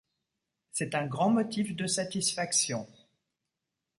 C'est un grand motif de satisfaction.